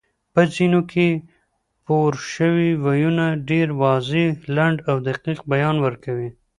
په ځینو کې پورشوي ویونه ډېر واضح، لنډ او دقیق بیان ورکوي